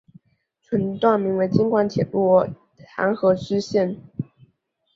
全段名为京广铁路邯和支线。